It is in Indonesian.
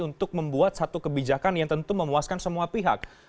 untuk membuat satu kebijakan yang tentu memuaskan semua pihak